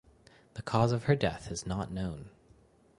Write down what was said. The cause of her death is not known.